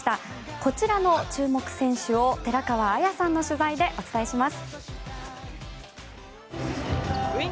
こちらの注目選手を寺川綾さんの取材でお伝えします。